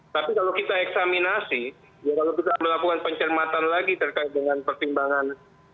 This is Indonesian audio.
tapi kalau kita eksaminasi ya kalau kita melakukan pencermatan lagi terkait dengan pertimbangan